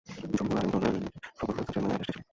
জমহুর আলিমগণের মতে, সকল ফেরেশতার জন্যেই এ আদেশটি ছিল।